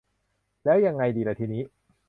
แล้วยังไงดีล่ะทีนี้